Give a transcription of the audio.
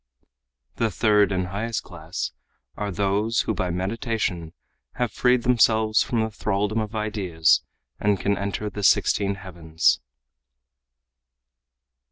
The third and highest class are those who by meditation have freed themselves from the thraldom of ideas and can enter the sixteen heavens."